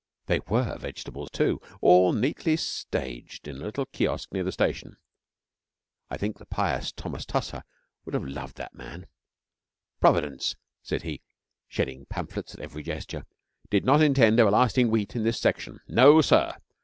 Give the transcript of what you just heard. They were vegetables too all neatly staged in a little kiosk near the station. I think the pious Thomas Tusser would have loved that man. 'Providence,' said he, shedding pamphlets at every gesture, 'did not intend everlasting Wheat in this section. No, sir!